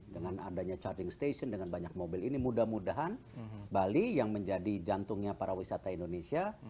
dengan adanya charging station dengan banyak mobil ini mudah mudahan bali yang menjadi jantungnya para wisata indonesia